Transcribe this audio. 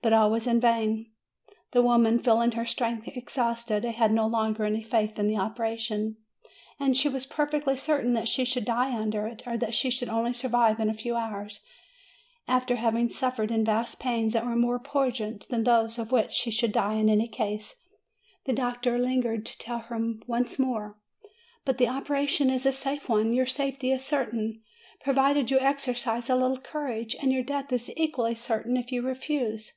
But all was in vain. The woman, feeling her strength exhausted, had no longer any faith in the operation; she was perfectly certain that she should die under it, or that she should only survive it a few hours, after having suffered in 292 MAY vain pains that were more poignant than those of which she should die in any case. The doctor lingered to tell her once more : "But the operation is a safe one; your safety is certain, provided you exercise a little courage! And your death is equally certain if you refuse!"